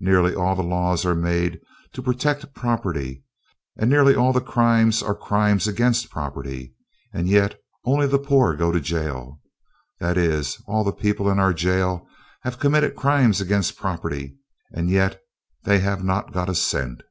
Nearly all the laws are made to protect property; nearly all the crimes are crimes against property, and yet only the poor go to jail. That is, all the people in our jail have committed crimes against property, and yet they have not got a cent.